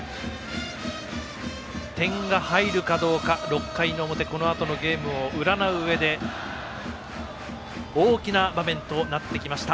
点が入るかどうか６回の表このあとのゲームを占ううえで大きな場面となってきました。